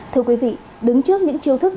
thưa quý vị đứng trước những chiêu thức